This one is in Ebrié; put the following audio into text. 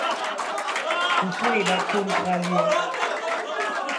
Khuthwán ebhá chó ntrályɛ́.